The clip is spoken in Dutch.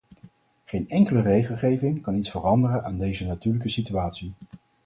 Geen enkele regelgeving kan iets veranderen aan deze natuurlijke situatie.